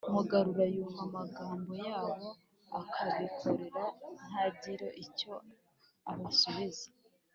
mugarura yumva amagambo yabo akabihorera ntagire icyo abasubiza